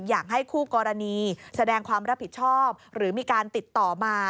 อยากให้คู่กรณีแสดงความรับผิดชอบหรือมีการติดต่อมา